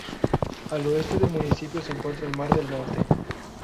Al oeste del municipio se encuentra el Mar del Norte.